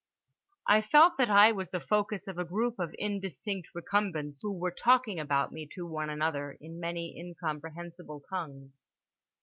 I felt that I was the focus of a group of indistinct recumbents who were talking about me to one another in many incomprehensible tongues.